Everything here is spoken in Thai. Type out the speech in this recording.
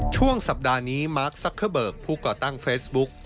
ช่วงสัปดาห์นี้มาร์คซักเกอร์เบิกผู้ก่อตั้งเฟซบุ๊ก